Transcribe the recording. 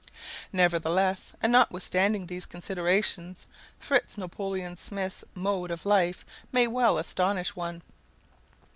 Nevertheless, and notwithstanding these considerations, Fritz Napoleon Smith's mode of life may well astonish one.